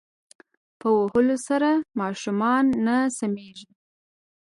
په وهلو سره ماشومان نه سمیږی